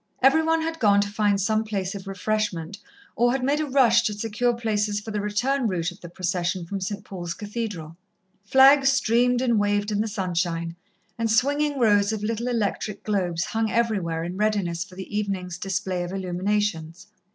Every one had gone to find some place of refreshment, or had made a rush to secure places for the return route of the procession from St. Paul's Cathedral. Flags streamed and waved in the sunshine, and swinging rows of little electric globes hung everywhere, in readiness for the evening's display of illuminations.